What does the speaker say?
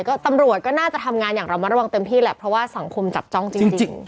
ก็ตำรวจก็น่าจะทำงานอย่างระมัดระวังเต็มที่แหละเพราะว่าสังคมจับจ้องจริง